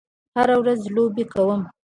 هره ورځ لوبې کوم